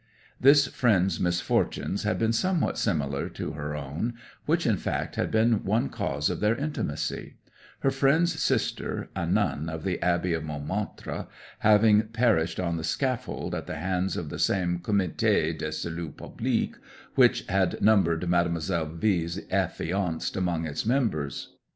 This friend's misfortunes had been somewhat similar to her own, which fact had been one cause of their intimacy; her friend's sister, a nun of the Abbey of Montmartre, having perished on the scaffold at the hands of the same Comite de Salut Public which had numbered Mademoiselle V 's affianced among its members.